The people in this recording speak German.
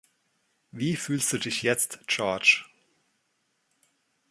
Wie fühlst du dich jetzt, George?